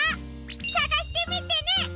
さがしてみてね！